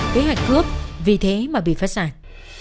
kế hoạch cướp vì thế mà bị phát sản